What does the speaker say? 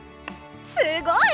すごい！